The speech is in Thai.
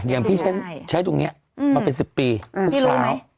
อ่ะเหลี่ยงพี่ฉันใช้ตรงนี้มาเป็น๑๐ปีเมื่อเช้า